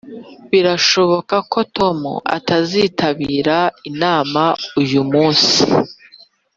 [birashoboka ko tom atazitabira inama uyu munsi.